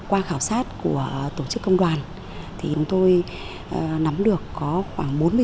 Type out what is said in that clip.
qua khảo sát của tổ chức công đoàn chúng tôi nắm được có khoảng bốn mươi đồng